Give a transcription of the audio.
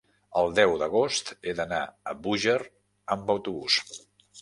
El deu d'agost he d'anar a Búger amb autobús.